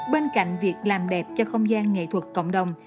bên cạnh việc làm đẹp cho không gian nghệ thuật cộng đồng